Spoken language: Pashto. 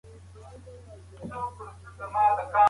زه اوږده وخت د هنر زده کړه کوم وم.